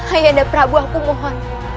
ayande prabu aku mohon